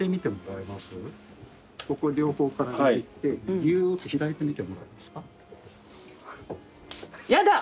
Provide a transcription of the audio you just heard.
ここ両方から握ってぎゅーって開いてみてもらえますか？